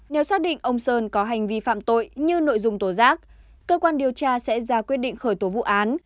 nếu xác định ông sơn có hành vi phạm tội như nội dung tố giác cơ quan điều tra sẽ ra quyết định khởi tố vụ án